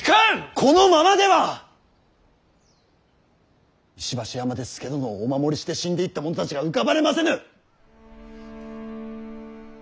このままでは石橋山で佐殿をお守りして死んでいった者たちが浮かばれませぬ！